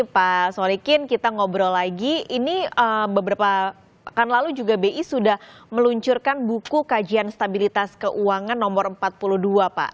pak solikin kita ngobrol lagi ini beberapa pekan lalu juga bi sudah meluncurkan buku kajian stabilitas keuangan nomor empat puluh dua pak